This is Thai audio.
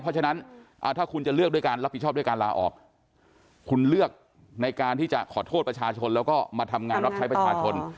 เพราะฉะนั้นถ้าคุณจะเลือกด้วยการรับผิดชอบด้วยการลาออกคุณเลือกในการที่จะขอโทษประชาชนแล้วก็มาทำงานรับใช้ประชาชน